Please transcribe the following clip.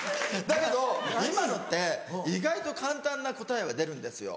だけど今のって意外と簡単な答えは出るんですよ。